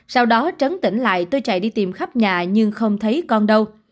sau đó trấn tỉnh lại tôi chạy đi tìm khắp nhà nhưng không thấy con đâu